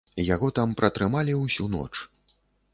Яго там пратрымалі ўсю ноч.